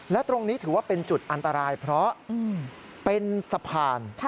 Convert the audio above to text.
และตรงนี้ถือว่าเป็นจุดอันตรายเพราะเป็นสะพาน